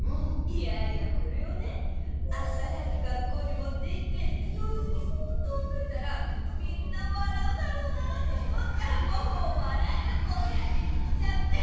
いやいやこれをねあした早く学校にもっていって教室にそっとおいといたらみんな笑うだろうなあと思ったらもう笑いがこみ上げてきちゃって。